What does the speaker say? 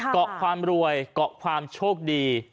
เกาะความรวยเกาะความโชคดี